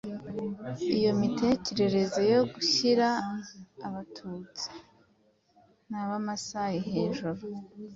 Iyo mitekerereze yo gushyira Abatutsi (na ba Masai) hejuru